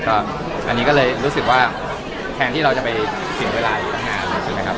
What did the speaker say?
อันนี้ก็เลยรู้สึกว่าแทนที่เราจะไปเสียเวลาอีกตั้งนานถูกไหมครับ